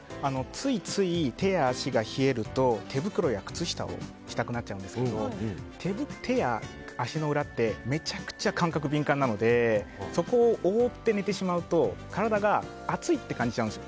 ついつい手や足が冷えると手袋や靴下をしたくなっちゃうんですけど手や足の裏ってめちゃくちゃ感覚が敏感なのでそこを覆って寝てしまうと体が暑いって感じちゃうんです。